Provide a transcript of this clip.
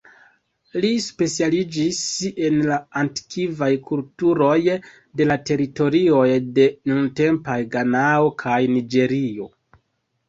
Li specialiĝis en la antikvaj kulturoj de la teritorioj de nuntempaj Ganao kaj Niĝerio.